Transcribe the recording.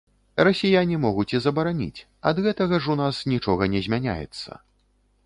Расіяне могуць і забараніць, ад гэтага ж у нас нічога не змяняецца.